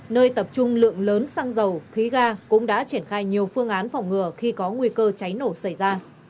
nơi tập trung lượng lớn xăng dầu khí ga cũng đã triển khai nhiều phương án phòng ngừa khi có nguy cơ cháy nổ xảy ra